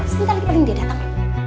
sebentar lagi paling dia datang